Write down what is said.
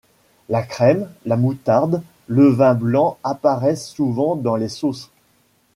La crème, la moutarde, le vin blanc apparaissent souvent dans les sauces.